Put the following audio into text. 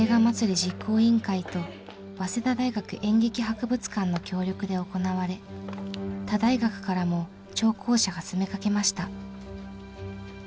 実行委員会と早稲田大学演劇博物館の協力で行われ他大学からも聴講者が詰めかけました。